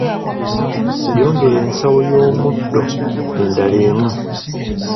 Yongera ensawo y’omuddo endala emu.